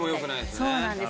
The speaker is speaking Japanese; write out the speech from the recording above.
そうなんです。